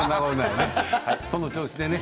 その調子でね